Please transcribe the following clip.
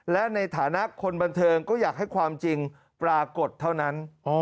และในฐานะคนบันเทิงก็อยากให้ความจริงปรากฏเท่านั้น